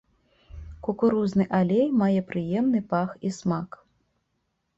Кукурузны алей мае прыемны пах і смак.